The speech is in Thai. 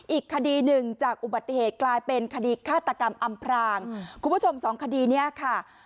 อีกคดีหนึ่งจากอุบัติเหตุกลายเป็นคดีฆาตกรรมอำพรางคุณผู้ชมสองคดีเนี้ยค่ะ